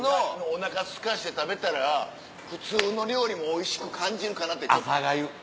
おなかすかして食べたら普通の料理もおいしく感じるかなって。